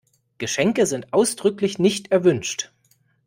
Geschenke sind ausdrücklich nicht erwünscht.